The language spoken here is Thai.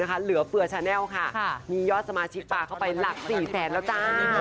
เหลือเฟือชาแนลค่ะมียอดสมาชิกปลาเข้าไปหลัก๔แสนแล้วจ้า